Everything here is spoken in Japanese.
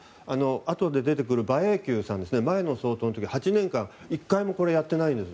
あとで出てくる馬英九さんは前の総統の時は８年間１回もやっていないんです。